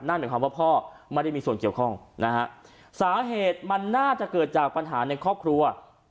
หมายความว่าพ่อไม่ได้มีส่วนเกี่ยวข้องนะฮะสาเหตุมันน่าจะเกิดจากปัญหาในครอบครัว